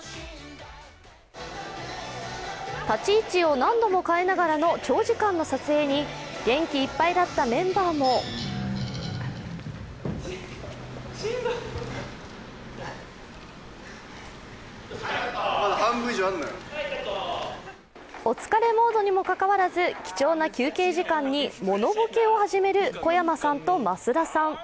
立ち位置を何度も変えながらの長時間の撮影に元気いっぱいだったメンバーもお疲れモードにもかかわらず、貴重な休憩時間に物ボケを始める小山さんと増田さん。